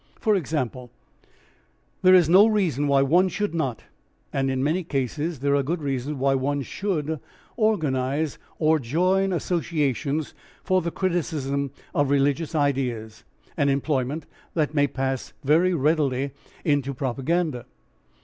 For example there is no reason why one should not and in many cases there are good reasons why one should organise or join associations for the criticism of religious ideas, an employment that may pass very readily into propaganda.